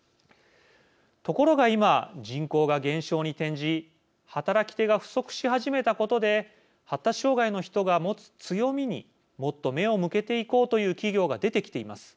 ところが、今人口が減少に転じ働き手が不足し始めたことで発達障害の人が持つ強みにもっと目を向けていこうという企業が出てきています。